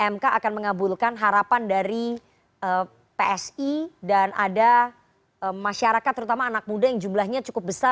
mk akan mengabulkan harapan dari psi dan ada masyarakat terutama anak muda yang jumlahnya cukup besar